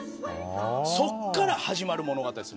そこから始まる物語です。